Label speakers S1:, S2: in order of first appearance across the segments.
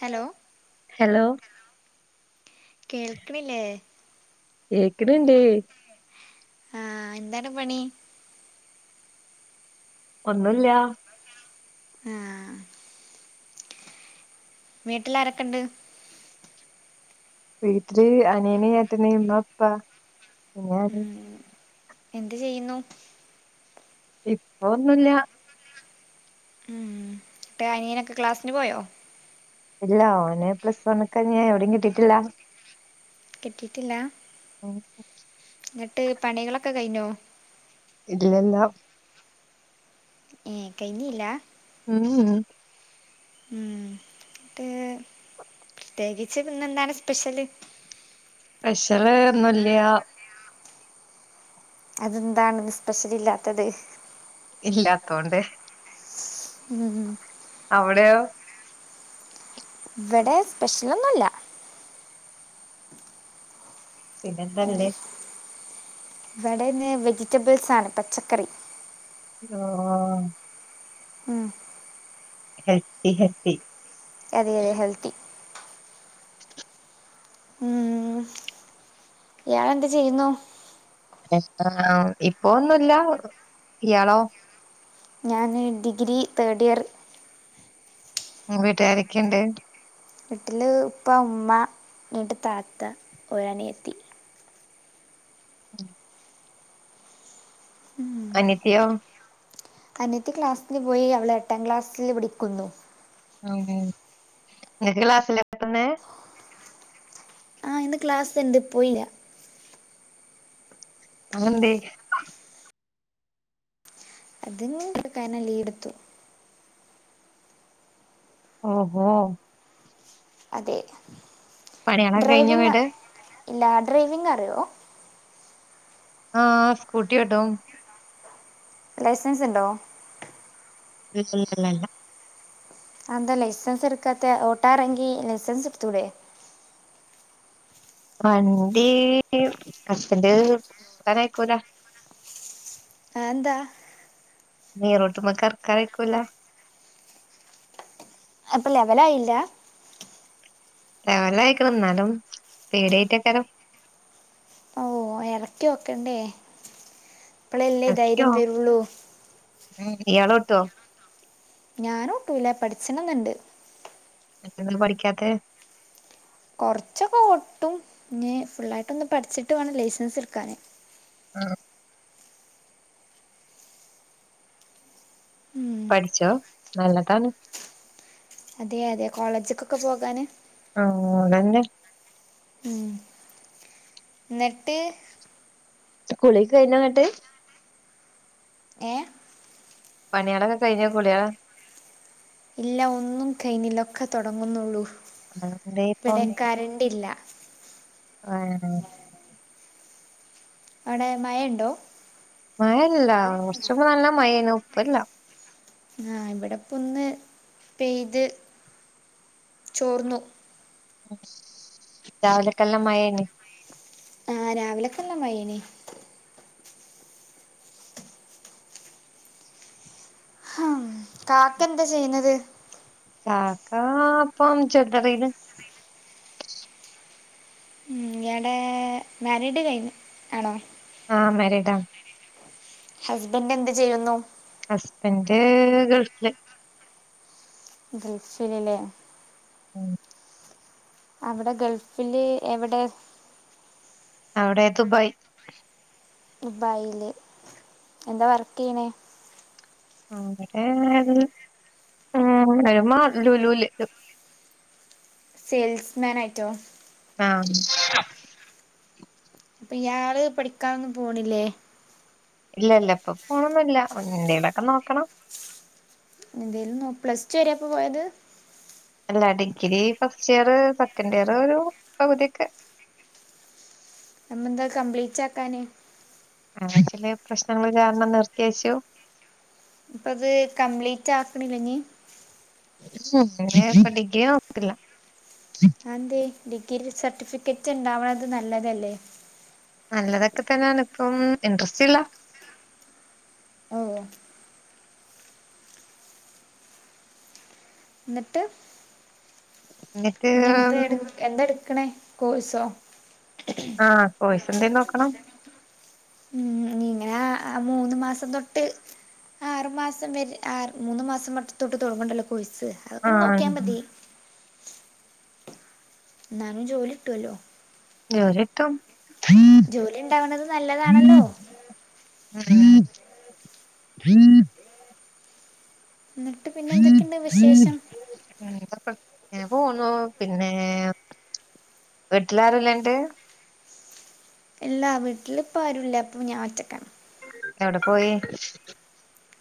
S1: Hello
S2: hello
S1: കേൾക്ണില്ലേ?
S2: കേക്ക്ണ് ണ്ട്
S1: ആഹ് എന്താണ് പണി?
S2: ഒന്നുല്ല
S1: ആഹ് വീട്ടിലാരെക്കെണ്ട്?
S2: വീട്ടില് അനിയന്, ഏട്ടന്, ഇമ്മ, ഇപ്പ പിന്നെ ഞാന്
S1: ഉം എന്ത് ചെയ്യുന്നു?
S2: ഇപ്പൊ ഒന്നുല്ല
S1: ഉം ന്ന്‌ട്ട് അനിയനൊക്കെ ക്ലാസ്സിന് പോയോ?
S2: ഇല്ല ഓന് പ്ലസ് വണ്ണ്ക്കാഞ് എവിടിം കിട്ടിട്ടില്ല
S1: കിട്ടിട്ടില്ലാ?
S2: [inaudible]
S1: ഇങ്ങട്ട് പണികളൊക്കെ കഴിഞ്ഞോ?
S2: ഇല്ലല്ല
S1: ഏഹ് കഴിഞ്ഞില്ല?
S2: ഉം ഉം
S1: ഉം ന്ന്ട്ട് പ്രത്യേകിച്ച് പിന്നെന്താണ് സ്പെഷ്യല്?
S2: സ്പെഷ്യല് ഒന്നുല്ല
S1: അതെന്താണ് സ്പെഷ്യൽ ഇല്ലാത്തത്
S2: ഇല്ലാത്തോണ്ട്
S1: ഉം
S2: അവിടെയോ?
S1: ഇവിടെ സ്പെഷ്യൽ ഒന്നുല്ല
S2: പിന്നെന്തല്ലേ
S1: ഇവിടെന്ന് വെജിറ്റബിൾസണ് പച്ചക്കറി
S2: ഓഹ്
S1: ഉം
S2: ഹെൽത്തി ഹെൽത്തി
S1: അതെ അതെ ഹെൽത്തി ഇയാൾ എന്ത് ചെയ്യുന്നു?
S2: ആഹ് ഇപ്പോ ഒന്നുല്ല ഇയാളോ?
S1: ഞാന് ഡിഗ്രി തേർഡ് ഇയർ
S2: വീട്ടിൽ ആരൊക്കെയുണ്ട്?
S1: വീട്ടില് ഉപ്പ ഉമ്മ രണ്ട് താത്ത ഒര് അനിയത്തി
S2: അനിയത്തിയോ
S1: അനിയത്തി ക്ലാസ്സിന് പോയി അവള് എട്ടാം ക്ലാസ്സല് പഠിക്കുന്നു
S2: ഉം ഇങ്ങക്ക് ക്ലാസ്സില്ലേ പ്പത്തന്നെ
S1: ആഹ് ഇന്ന് ക്ലാസ്ണ്ട് പോയില്ല
S2: അതെന്തേ?
S1: അത് [unintelligible] കരണം ലീവെടുത്തു
S2: ഓഹോ
S1: അതെ ഡ്രൈവിംഗ് ഇല്ല ഡ്രൈവിംഗ് അറിയോ
S2: ആഹ് സ്കൂട്ടി ഓട്ടും
S1: ലൈസൻസ് ഇണ്ടോ
S2: ലൈസൻസ് ഇല്ല
S1: എഹ് ന്താ ലൈസൻസ് എടുക്കാത്ത ഓട്ടോറങ്കി ലൈസൻസ് എടുത്തൂടെ
S2: വണ്ടി ഹസ്ബൻ്റ് ഓട്ടനയക്കൂല
S1: ആഹ് ന്താ
S2: നീ റോട്ടുമക്കർക്കറക്കൂലാ
S1: അപ്പം ലെവലായില്ലാ
S2: ലവലായിക്ക്ണ് എന്നാലും പേടിയായിറ്റക്കാലം
S1: ഓ എറക്കി ഓക്കണ്ടേ ഇപ്പൊളല്ലേ ധൈര്യം വരുള്ളൂ
S2: ഉം ഇയാളോട്ടോ?
S1: ഞാനോട്ടൂല പഠിച്ചണന്നണ്ട്
S2: എന്തങ്ങള് പടിക്കാത്തെ
S1: കുറച്ചൊക്കെ ഓട്ടും ഇനി ഫുള്ളായിട്ടൊന്ന് പഠിച്ചിട്ട് വേണം ലൈസൻസ് എടുക്കാന്
S2: ആഹ് പഠിച്ചോ നല്ലതാണ്
S1: അതെയതെ കോളേജിക്കൊക്കെ പോകാന്
S2: ആഹ് അതന്നെ
S1: ഉം എന്നിട്
S2: കുളിയൊക്കെയിഞ്ഞന്നിട്ടെ
S1: ഏഹ്
S2: പണിയളൊക്കെ കഴിഞ്ഞാ കുളിയ
S1: ഇല്ല ഒന്നും കൈനിലൊക്കെ തൊടങ്ങുന്നുള്ളൂ ഇവിടെ കരണ്ടില്ല
S2: ആണോ
S1: അവിടെ മഴ ഇണ്ടോ?
S2: മഴഒന്നുല്ല, കുറച്ചുമ്പ് നല്ല മയേനു ഇപ്പല്ല
S1: ആഹ് ഇവിടെപ്പൊന്ന് പെയ്ത് ചോർന്നു
S2: രാവിലക്ക നല്ലമഴെയ്നി
S1: ആഹ് രാവിലക്കെ നല്ല മയേനി കാക്ക എന്താ ചെയ്യുന്നത്
S2: കാക്കാ പ്പം ജൊല്ലറീല്
S1: ഈയാടെ മാരീഡ് കയിഞ്ഞ് ആണോ?
S2: ആഹ് മേരിഡാണ്
S1: ഹസ്ബൻ്റ് എന്ത് ചെയ്യുന്നു
S2: ഹസ്ബൻ്റ് ഗൾഫില്
S1: ഗൾഫിലല്ലേ
S2: ഉം
S1: അവിടെ ഗൾഫില് എവിടെ?
S2: അവിടെ ദുബായ്
S1: ദുബായില് എന്താ വർക്ക് ചെയ്യണേ?
S2: അവടെ, എമ്മ ലുലൂല്
S1: സെയിൽസ്മാൻ ആയിട്ടോ?
S2: ആഹ്
S1: അപ്പ ഇയാള് പഠിക്കാനൊന്നും പോണില്ലെ?
S2: ഇല്ല, ഇല്ല ഇപ്പൊ പോണൊന്നുല്ല എൻതേലൊക്കെ നോക്കണം
S1: എന്തേലും നോ, പ്ലസ് ടു വരെ ഇ പ്പോ പോയത്?
S2: അല്ല ഡിഗ്രി ഫസ്റ്റ് ഇയറ് സെക്കന്റ് ഇയറൊരു പകുതിയൊക്കെ
S1: അന്നന്ത അത് കംപ്ലീറ്റ് ആക്കാഞ്ഞേ?
S2: അന്ന് ചിലേ പ്രശ്നങ്ങൾ കാരണം നിർത്തിവെച്ചു
S1: ഇഞ്ഞിപ്പ അത് കംപ്ലീറ്റ് ആക്കണില്ല ഇഞ്ഞി?
S2: എങ്ങനെ ഇപ്പ ഡിഗ്രി നോക്ക്ണില്ല
S1: അതെന്തേ ഡിഗ്രി സർട്ടിഫിക്കറ്റ് ഇണ്ടാവണത് നല്ലതല്ലേ
S2: നല്ലതൊക്കെ തന്നെണ്, ഇപ്പം ഇൻട്രസ്റ്റ് ഇല്ല
S1: ഓഹ് ഇന്നട്ട് ഇഞ്ഞി എന്ത എട്, എന്ത എടുക്കണേ കോഴസോ?
S2: ആഹ്, കോയിസ് എന്തേം നോക്കണം
S1: ആഹ് ആ മൂന്ന് മാസം തൊട്ട് ആറു മാസം വരേ ആ മൂന്ന് മാസം മട്ട് തൊട്ട് തൊടങ്ങണ്ടല്ലോ കോഴ്സ് അതൊക്കെ ഒന്ന് നോക്കിയാ മതി ഇന്നാലും ജോലിട്ടൊല്ലോ
S2: ജോലി കിട്ടും
S1: ജോലി ഉണ്ടാവണത് നല്ലതാണല്ലോ
S2: [inaudible]
S1: ഇന്നട്ട് പിന്നെ എന്തൊക്കെയിണ്ട് വിശേഷം
S2: അങ്ങനെയൊക്കെ ഇങ്ങനെ പോണു, പിന്നെ വീട്ടിലാരുല്ലാന്റെ
S1: ഇല്ലാ വീട്ടില് ഇപ്പ ആരുല്ല പ്പം ഞാൻ ഒറ്റക്കാണ്
S2: എവടെ പോയി?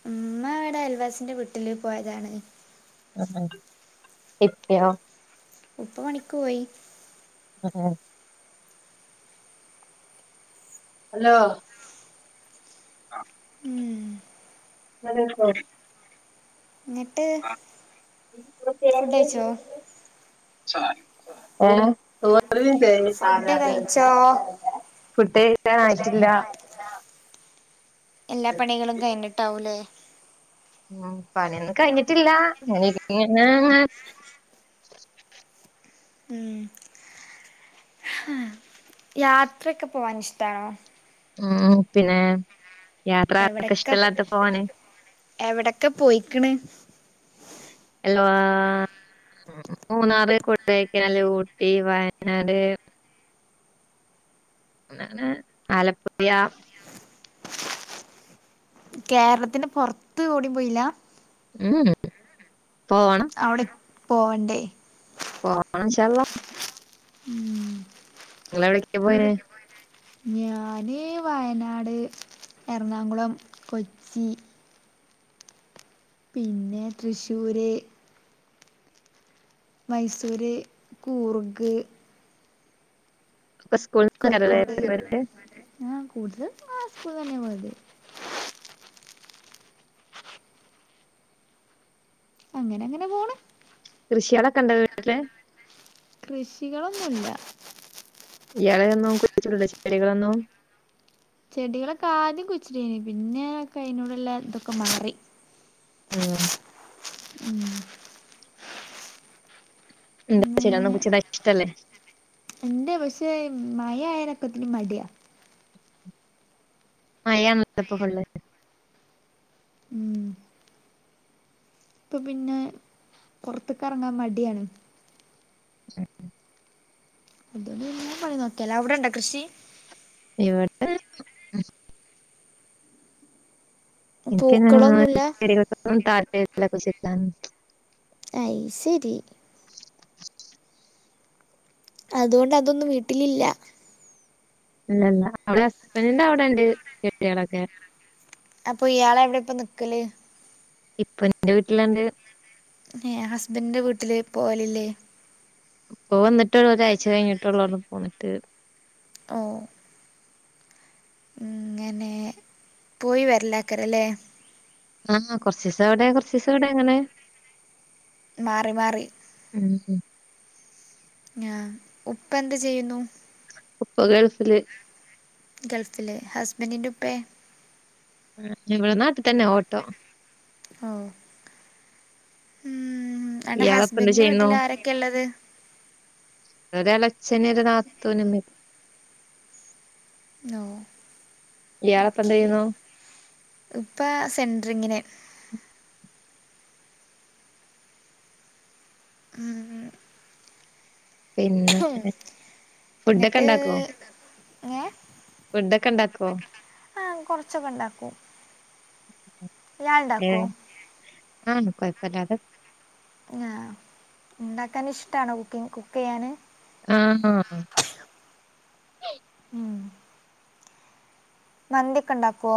S1: ഇമ്മ ഇവടെ അയൽവാസിന്റെ വീട്ടില് പോയതാണ്
S2: അതെ ഇപ്പയോ?
S1: ഉപ്പ പണിക്ക് പോയി
S2: ഉം ഹലോ ആ
S1: ഉം.
S2: നല്ല പാട്.
S1: നിറ്റ്
S2: [unintelligible]
S1: ഫുഡ് കഴിച്ചോ?
S2: ചാര് ഏഹ് തോരനും തേങ്ങിൻ
S1: ഫുഡ്
S2: സാധാരണവ്‌ടെ
S1: കഴിച്ചോ
S2: ഫുഡ്. ‌ കഴിക്കാൻ ആയിട്ടില്ല.
S1: എല്ലാ പണികളും കഴിഞ്ഞിട്ടാവൂലേ?
S2: ഉം പണിയൊന്നും കഴിഞ്ഞിട്ടില്ല. അങ്ങനെ ഇരി [unintelligible]
S1: ഉം യാത്രൊക്കെ പോവാൻ ഇഷ്ടാണോ?
S2: ഉ പിന്നെ യാത്ര ആർക്ക
S1: എവിടൊക്കെ
S2: ഇഷ്ടല്ലാത്ത പോവാന്.
S1: എവിടൊക്കെ പോയിക്ക്ണ്?
S2: എല്ലുവാ മൂന്നാറ് കൊടെകനാല് ഊട്ടി വയനാട് അങ്ങനെ ആലപ്പുഴ.
S1: കേരളത്തിന്റെ പൊറത്ത് ഒവുടിം പോയില്ല?
S2: ഉഉം പോവാ
S1: അവിടെ പോവണ്ടേ?
S2: പോണം ഇൻശാഅല്ലാഹ്‌.
S1: ഉം എട പോ ഞാൻ വയനാട് എറണാകുളം കൊച്ചി പിന്നെ തൃശ്ശൂർ. മൈസൂര് കൂർഗ്
S2: ഒ സ്കൂൾന്ന് കരേ
S1: കോഴിക്കോട്
S2: പോയത്?
S1: ആ കൂടുതൽ സ്കൂൾ തന്നെ പോയത്. അങ്ങനെ അങ്ങനെ പോണ്.
S2: കൃഷിയളൊക്കെ ണ്ടോ വീട്ടില്?
S1: കൃഷികളൊന്നുമ ഇല്ല.
S2: ഇയാളൊന്നും കുച്ചിട്ട ചെടികളൊന്നോ?
S1: ചെടികളൊക്കെ ആദ്യം കുച്ചിടന് പിന്നെ കയിനോട്ല്ലാം ഇതൊക്കെ മാറി.
S2: ആഹ
S1: ഉം [unintelligible]
S2: എന്താ ശരികുയുച്ചിടാൻ ഇഷ്ടല്ലേ?
S1: ന്റ് പക്ഷേ മഴായയനൊക്കത്തിന് മടിയാ.
S2: മയ ആണല്ലോ ഇപ്പൊ ഫുള്ള്.
S1: അപ്പൾ പിന്നെ പുറത്തക്ക ഇറങ്ങാൻ മടിയാണ്.
S2: ഉ
S1: അത പണി നോക്കിയാലോ അവിടെണ്ടോ കൃഷി?
S2: ഇവടെ എനിക്ക് പിന്നെ
S1: പൂക്കളൊന്നുല്ല
S2: ചെടികൾക്കൊന്നും താപര്യല്ല [unintelligible]
S1: അയ് ശരി. അതുകൊണ്ട് അതൊന്നും വീട്ടിലില്ല?
S2: ഇല്ലല്ല അവിടെ ഹസ്ബൻഡിന്റെ അവിടെ ഉണ്ട് ചെടികളൊക്കെ
S1: അപ്പൊ ഇയാളെ എവിടെ ഇപ്പോ നിക്കല്?
S2: ഇപ്പൊ എന്റെ വീട്ടിലാണ്ട്.
S1: ഹസ്ബൻഡന്റെ വീട്ടില് പോലില്ലേ?
S2: പോ വന്നിട്ടേള്ളൂ ഒരാഴ്ച കഴിഞ്ഞിട്ടേള്ളൂന്ന് പോന്നിട്ട്.
S1: ഓ ഇങ്ങനെ പോയി വരലക്കരല്ലേ?
S2: ആഹ് കുറച്ചസംവിടെ കുറച്ചസം വിടെ എങ്ങനെ.
S1: മാറി മാറി
S2: ഉമ് ഉ മ്
S1: ഉപ്പ എന്ത് ചെയ്യുന്നു
S2: ഉപ്പ ഗൾഫില്
S1: ഗൾഫില് ഹസ്ബന്റി ന്റെ ഉപ്പേ
S2: ഇവിടെ നാട്ടിൽ തന്നെ ഓട്ടോ
S1: ആഹ് ഉമ് എന്റെ ഹസ്ബന്റി ന്റെ വീട്ടിൽ ആരൊക്കെയ ഉള്ളത്
S2: ഒരൾ എളച്ഛന ഒരു നാത്തൂ നമ്മ
S1: ഓഹ് ഓക്കേ ഇപ്പ സെൻററിങ്ങനെ ഉമ് ഉമ്
S2: പിന്നെ ഫുഡൊക്കെ
S1: എന്നിട്ട്
S2: ഇണ്ടാക്കോ
S1: ഏ
S2: ഫുഡൊക്കെ ഉണ്ടാക്കോ
S1: ആഹ് കൊറച്ചൊക്കെ ഉണ്ടാക്കൂ ഞാൻ ഇണ്ടാക്കുവ
S2: ആഹ് ഉണ്ടാക്കും കൊയപ്പല്ലാതെ
S1: ആഹ് ഉണ്ടാക്കൻ ഇഷ്ടണോ കുക്കിങ് കുക്ക് ചെയ്യാന്
S2: ആഹ് ആഹ്
S1: ഉമ് മന്തിയൊക്കെ ഇണ്ടാക്കോ?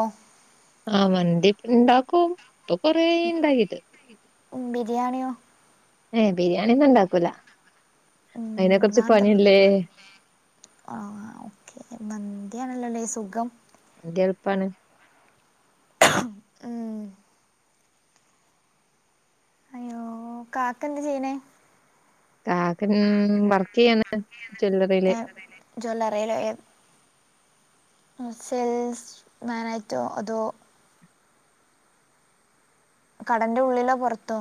S2: ആഹ് മന്തി ഇണ്ടാക്കും ഇപ്പൊ കൊറേയായി ഇണ്ടാക്കീട്ട്.
S1: ഉമ് ബിരിയാണിയോ?
S2: ഏഹ് ബിരിയാണിയൊന്നും ഇണ്ടാക്കൂല അയ്നൊക്കെ കൊർച്ച്പണിയല്ലേ?
S1: ആഹ് ഓക്കെ മന്തിയാണല്ലോല്ലേ സുഖം
S2: മന്തി എൾപ്പാണ്.
S1: ഉമ് ഉമ് കാക്കന്താചെയ്യ്ണ്?
S2: കാക്ക ഇൻ വർക്കെയ്യാണ്. ജ്വല്ലറിയിൽ
S1: ജ്വല്ലറി ഏഹ് അഹ് സെൽസ് മേനായിറ്റോ അതോ കടന്റെ ഉള്ളിലോ പൊർത്തോ?